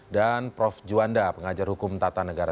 dan prof juanda pengajar hukum tata negara